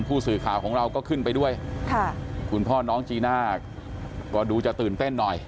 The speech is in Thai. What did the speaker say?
ผู้สื่อข่าวของเราก็ขึ้นไปด้วยค่ะคุณพ่อน้องจีน่าก็ดูจะตื่นเต้นหน่อย